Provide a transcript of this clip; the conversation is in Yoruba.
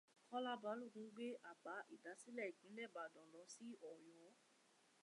Kọ́lá Balógun gbé àbá ìdásílẹ̀ ìpínlẹ̀ Ìbàdàn lọ sí Ọ̀yọ́.